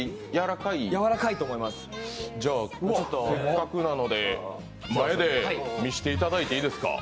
せっかくなので前で見せていただいていいですか。